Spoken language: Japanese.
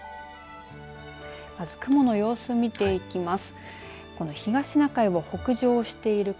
まず雲の様子見ていきます。